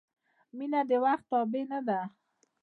• مینه د وخت تابع نه ده.